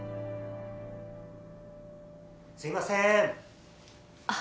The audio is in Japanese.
すいませんあっ